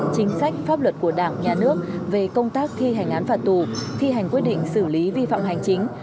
chính sách pháp luật của đảng nhà nước về công tác thi hành án phạt tù thi hành quyết định xử lý vi phạm hành chính